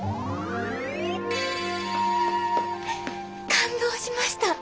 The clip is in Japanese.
感動しました。